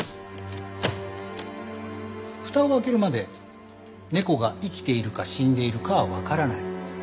蓋を開けるまで猫が生きているか死んでいるかはわからない。